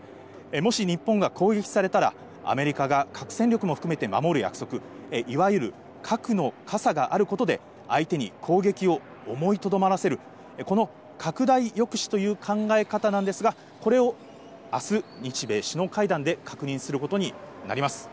もし日本が攻撃されたら、アメリカが核戦力も含めて守る約束、いわゆる核の傘があることで、相手に攻撃を思いとどまらせる、この拡大抑止という考え方なんですが、これをあす、日米首脳会談で確認することになります。